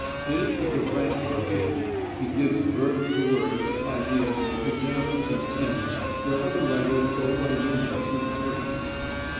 His is a rank verbiage he gives birth to words, ideas, examples in tens where other writers go by units and threes.